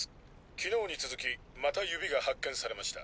昨日に続きまた指が発見されました。